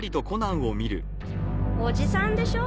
おじさんでしょ？